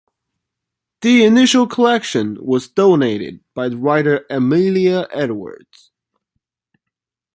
The initial collection was donated by the writer Amelia Edwards.